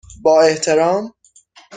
با احترام،